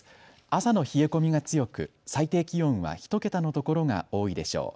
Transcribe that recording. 朝の冷え込みが強く最低気温は１桁の所が多いでしょう。